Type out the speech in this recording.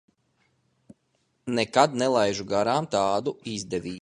Nekad nelaižu garām tādu izdevību.